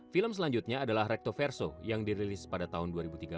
film selanjutnya adalah recto verso yang dirilis pada tahun dua ribu tiga belas